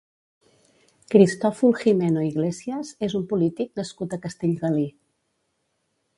Cristòfol Gimeno Iglesias és un polític nascut a Castellgalí.